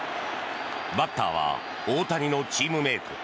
バッターは大谷のチームメート